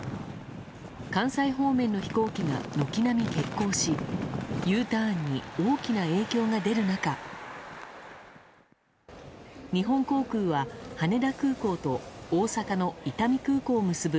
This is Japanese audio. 関西方面の飛行機が軒並み欠航しＵターンに大きな影響が出る中日本航空は羽田空港と大阪の伊丹空港を結ぶ